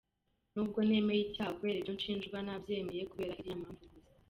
Nubwo nemeye icyaha kubera ibyo nshinjwa nabyemeye kubera iriya mpamvu gusa .